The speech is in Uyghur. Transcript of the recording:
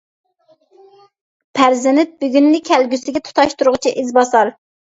پەرزەنت بۈگۈننى كەلگۈسىگە تۇتاشتۇرغۇچى ئىز باسار.